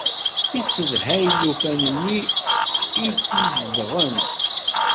Yessedhay llufan-nni i t-izedɣen.